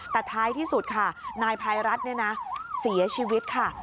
แต่ท้ายที่สุดค่ะนายพัยรัฐเสียชีวิตค่ะ